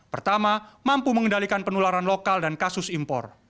pertama mampu mengendalikan penularan lokal dan kasus impor